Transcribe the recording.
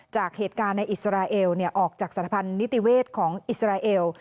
จากเหตุการณ์ในอิสราเอลออกจากสถพันธ์นิติเวศของอิสราเอล